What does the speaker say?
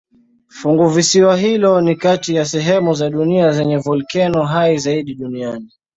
Funguvisiwa hilo ni kati ya sehemu za dunia zenye volkeno hai zaidi duniani.